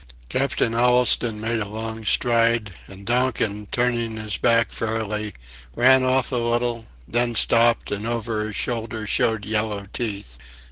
Captain Allistoun made a long stride, and Donkin, turning his back fairly, ran off a little, then stopped and over his shoulder showed yellow teeth.